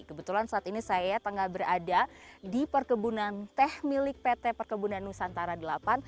kebetulan saat ini saya tengah berada di perkebunan teh milik pt perkebunan nusantara iii